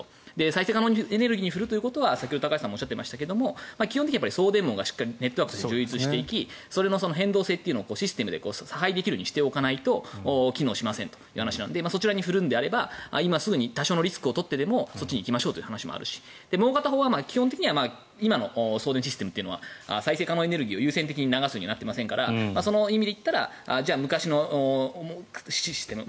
再生可能エネルギーに振るということは先ほど高橋さんもおっしゃっていましたが基本的に送電網など、しっかりネットワークが充実していき変動制をシステムで差配できるようにしておかないと機能しませんという話なのでそちらに振るのであれば多少のリスクを取ってでもそっちに行きましょうという話もあるし、もう片方は今の送電システムは再生可能エネルギーを優先的に流すようになっていませんからその意味でいったら昔のシステム